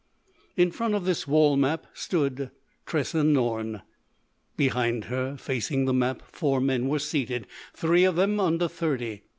In front of this wall map stood Tressa Norne. Behind her, facing the map, four men were seated—three of them under thirty.